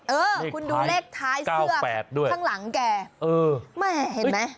เออคุณดูเลขท้ายเสื้อทางหลังแกเห็ดมั้ยเรนค้าย๙๘ด้วย